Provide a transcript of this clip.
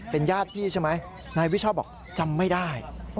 ญาติพี่ใช่ไหมนายวิชอบบอกจำไม่ได้